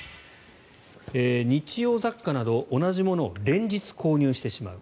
日用雑貨など、同じものを連日購入してしまう。